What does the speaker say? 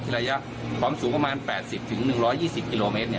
ระยะความสูงประมาณ๘๐๑๒๐กิโลเมตร